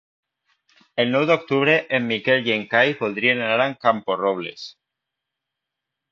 El nou d'octubre en Miquel i en Cai voldrien anar a Camporrobles.